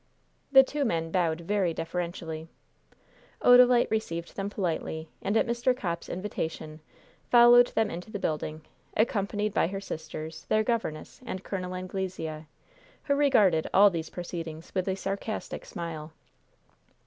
The two men bowed very deferentially. Odalite received them politely, and at Mr. Copp's invitation, followed them into the building, accompanied by her sisters, their governess and Col. Anglesea, who regarded all these proceedings with a sarcastic smile.